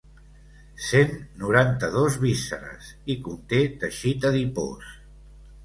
Cent noranta-dos vísceres i conté teixit adipós.